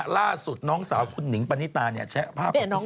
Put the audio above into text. ล่าสุดน้องสาวคุณหนิงปณิตาเนี่ยแชะภาพของน้อง